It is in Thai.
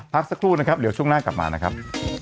พักสักครู่นะครับเดี๋ยวช่วงหน้ากลับมานะครับ